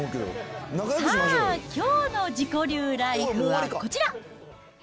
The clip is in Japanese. さあ、きょうの自己流ライフはこちら。